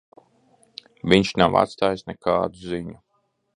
Viņš nav atstājis nekādu ziņu.